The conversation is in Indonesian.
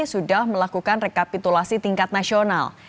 sudah melakukan rekapitulasi tingkat nasional